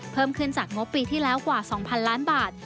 เพิ่มขึ้นจากงบปีที่แล้วกว่า๒๐๐๐ล้านบาท